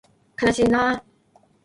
かなしいな